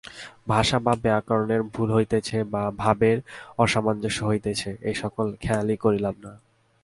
ভাষা বা ব্যাকরণের ভুল হইতেছে বা ভাবের অসামঞ্জস্য হইতেছে, এ-সকল খেয়ালই করিলাম না।